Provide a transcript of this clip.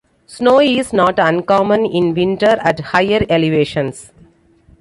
Snow is not uncommon in winter at higher elevations.